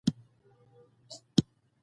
لوستې میندې د خوړو پاکوالی څاري.